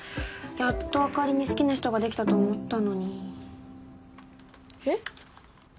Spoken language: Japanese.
やっとあかりに好きな人ができたと思ったのにえっ？